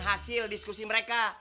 hasil diskusi mereka